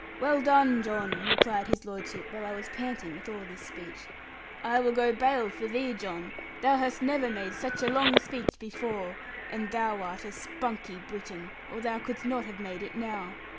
'Well, done, John,' replied his lordship, while I was panting with all this speech; 'I will go bail for thee, John, thou hast never made such a long speech before; and thou art a spunky Briton, or thou couldst not have made it now.